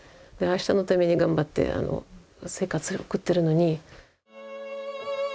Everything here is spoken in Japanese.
明日のために頑張って生活を送ってるのに。